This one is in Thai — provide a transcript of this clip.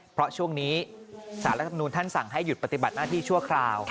เพราะช่วงนี้สารรัฐมนุนท่านสั่งให้หยุดปฏิบัติหน้าที่ชั่วคราว